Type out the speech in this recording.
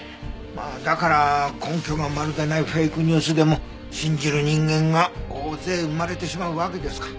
まあだから根拠がまるでないフェイクニュースでも信じる人間が大勢生まれてしまうわけですか。